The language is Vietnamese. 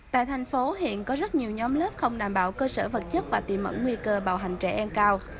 tại thành phố hiện có rất nhiều nhóm lớp không đảm bảo cơ sở vật chất và tiềm ẩn nguy cơ bạo hành trẻ em cao